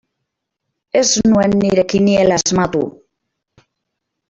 Ez nuen nire kiniela asmatu.